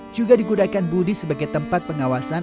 juga digunakan budi sebagai tempat pengawasan